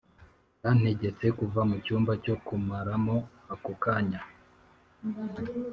yantegetse kuva mu cyumba cyo kuraramo ako kanya.